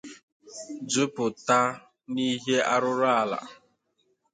juputa n'ihe arụrụ ala